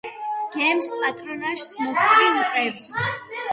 გემს პატრონაჟს მოსკოვი უწევს.